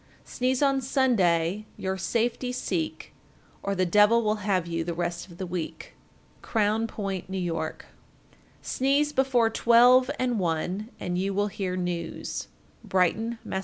Sneeze on Sunday, your safety seek, Or the devil will have you the rest of the week. Crown Point, N.Y. 1430. Sneeze before twelve and one, and you will hear news. _Brighton, Mass.